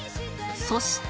そして